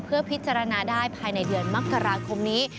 เพื่อพิจารณาได้ภายในเดือนมกราคมนี้